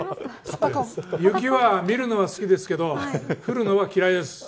雪は見るのは好きですけど降るのは嫌いです。